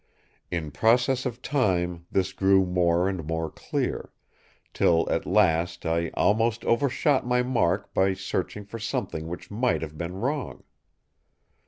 In process of time this grew more and more clear; till at last I almost overshot my mark by searching for something which might have been wrong.